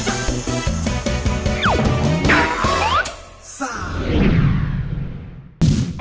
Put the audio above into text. สวัสดีค่ะ